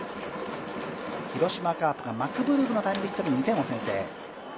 広島カープがマクブルームのタイムリーヒットで２点を先制。